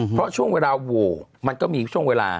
เพราะช่วงเวลาโหวมันก็มีช่วงเวลา